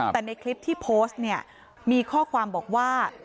แต่ในคลิปที่โพสต์เนี่ยมีข้อความบอกว่า